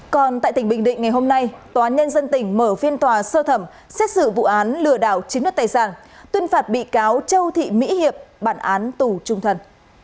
còn tại tỉnh bình định ngày hôm nay tòa án nhân dân tỉnh mở phiên tòa sơ thẩm xét xử vụ án lừa đảo chiếm đất tài sản tuyên phạt bị cáo châu thị mỹ hiệp bản án tù trung thân